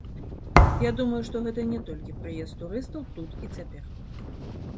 Я думаю, што гэта не толькі прыезд турыстаў тут і цяпер.